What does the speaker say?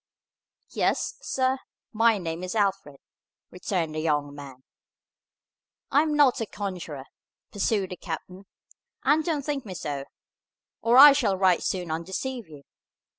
"Yes, sir, my name is Alfred," returned the young man. "I am not a conjurer," pursued the captain, "and don't think me so, or I shall right soon undeceive you.